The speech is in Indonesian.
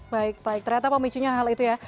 baik baik ternyata pemicunya hal itu ya